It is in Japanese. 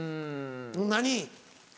何？